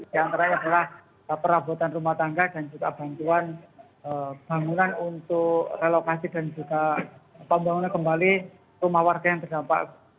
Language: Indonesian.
di antaranya adalah perabotan rumah tangga dan juga bantuan bangunan untuk relokasi dan juga pembangunan kembali rumah warga yang terdampak